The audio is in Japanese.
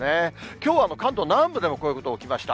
きょうは関東南部でもこういうことが起きました。